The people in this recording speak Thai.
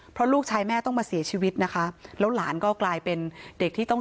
เพราะลูกชายแม่ต้องมาเสียชีวิตนะคะแล้วหลานก็กลายเป็นเด็กที่ต้อง